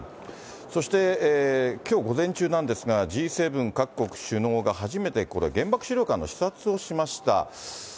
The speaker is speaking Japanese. そしてきょう午前中なんですが、Ｇ７各国首脳が初めてこれ、原爆資料館の視察をしました。